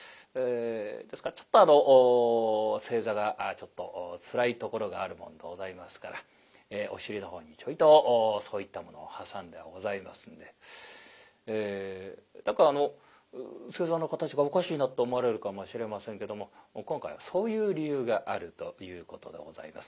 ですからちょっとあの正座がちょっとつらいところがあるもんでございますからお尻のほうにちょいとそういったものを挟んでございますんで何かあの正座の形がおかしいなと思われるかもしれませんけども今回はそういう理由があるということでございます。